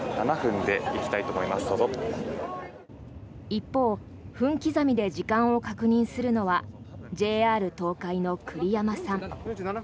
一方、分刻みで時間を確認するのはＪＲ東海の栗山さん。